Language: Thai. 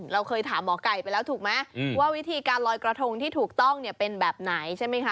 เราเคยถามหมอไก่ไปแล้วถูกไหมว่าวิธีการลอยกระทงที่ถูกต้องเนี่ยเป็นแบบไหนใช่ไหมคะ